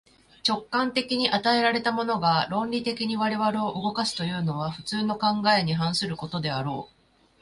直観的に与えられたものが、論理的に我々を動かすというのは、普通の考えに反することであろう。